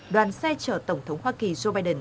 đoàn xe chở tổng thống hoa kỳ joe biden